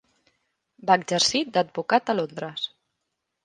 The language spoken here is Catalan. Va exercir d'advocat a Londres.